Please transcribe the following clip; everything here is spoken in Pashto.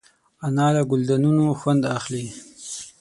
انا له ګلدانونو خوند اخلي